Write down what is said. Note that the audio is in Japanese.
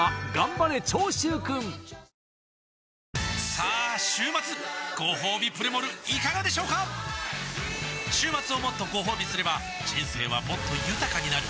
さあ週末ごほうびプレモルいかがでしょうか週末をもっとごほうびすれば人生はもっと豊かになる！